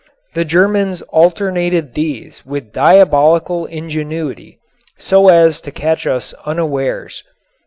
The Germans alternated these with diabolical ingenuity so as to catch us unawares.